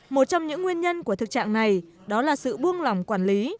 một trong những nguyên nhân của thực trạng này đó là sự buông lỏng quản lý